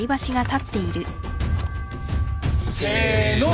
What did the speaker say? せの！